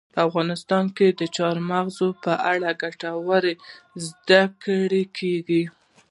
په افغانستان کې د چار مغز په اړه ګټورې زده کړې کېږي.